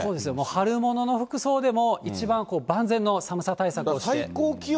春物の服装でも、一番万全の寒さ対策をして。